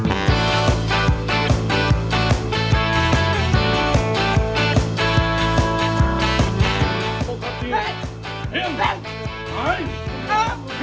อ้าวอ้าวอ้าว